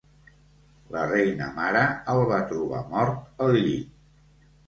La Reina Mare el va trobar mort al llit.